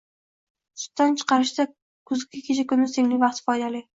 Sutdan chiqarishda kuzgi kecha-kunduz tenglik vaqti foydali.